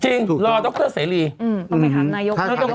รอดรเสรีต้องไปถามนายก